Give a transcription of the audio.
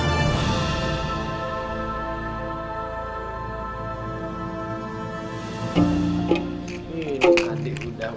adik sudah mandi sudah mandi